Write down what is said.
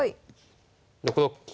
６六金。